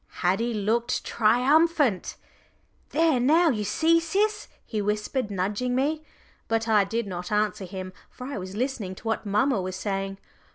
Haddie looked triumphant. "There now you see, Sis," he whispered, nudging me. But I did not answer him, for I was listening to what mamma was saying.